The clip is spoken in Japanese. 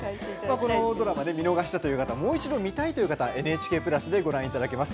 このドラマね見逃したという方もう一度、見たいという方「ＮＨＫプラス」でご覧いただけます。